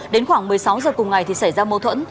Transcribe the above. đến khoảng một mươi sáu giờ cùng ngày thì xảy ra mâu thuẫn